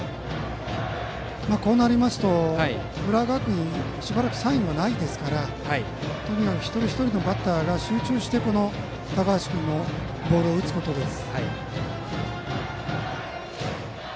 こうなりますと浦和学院はしばらくサインはないですからとにかく一人一人のバッターが集中して高橋君のボールを打つことです。